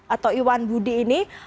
atau irwan budi ini